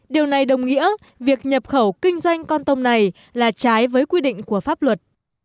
điều này đồng nghĩa việc nhập khẩu kinh doanh con tôm này là trái với quy định của pháp luật